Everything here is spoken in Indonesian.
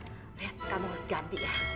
eh kamu harus ganti ya